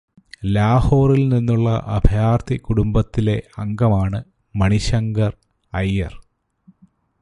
ലാഹോറിൽ നിന്നുള്ള അഭയാർത്ഥി കുടുംബത്തിലെ അംഗമാണ് മണിശങ്കർ അയ്യർ.